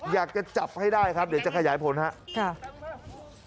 อยากจะจับให้ได้ครับเดี๋ยวจะขยายผลครับ